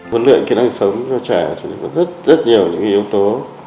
huấn luyện kỹ năng sống cho trẻ thì có rất nhiều lý do